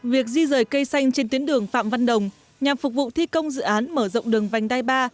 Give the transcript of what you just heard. việc di rời cây xanh trên tuyến đường phạm văn đồng nhằm phục vụ thi công dự án mở rộng đường vành đai ba